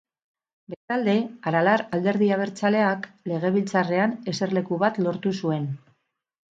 Bestalde, Aralar alderdi abertzaleak Legebiltzarrean eserleku bat lortu zuen.